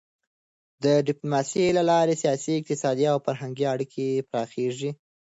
د ډيپلوماسی له لارې سیاسي، اقتصادي او فرهنګي اړیکې پراخېږي.